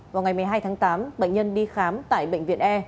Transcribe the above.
vào ngày một mươi hai tháng tám bệnh nhân đi khám tại bệnh viện e